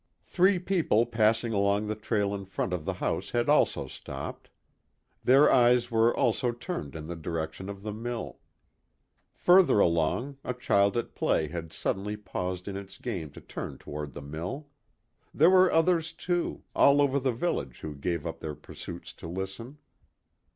Three people passing along the trail in front of the house had also stopped. Their eyes were also turned in the direction of the mill. Further along a child at play had suddenly paused in its game to turn toward the mill. There were others, too, all over the village who gave up their pursuits to listen.